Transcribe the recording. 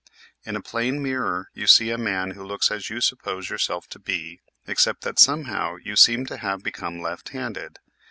In a plane mirror you see a man who looks as you suppose yourself to be except that somehow you seem to have become left handed.